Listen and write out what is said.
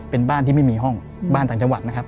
เป็นบ้านที่ไม่มีห้องบ้านต่างจังหวัดนะครับ